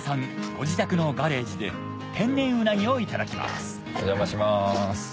ご自宅のガレージで天然うなぎをいただきますお邪魔します。